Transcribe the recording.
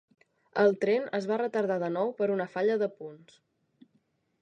El tren es va retardar de nou per una falla de punts